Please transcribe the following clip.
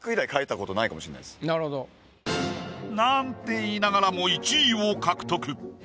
なんて言いながらも１位を獲得。